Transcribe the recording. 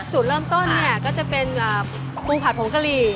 จุดเริ่มต้นเนี่ยก็จะเป็นปูผัดผงกะหรี่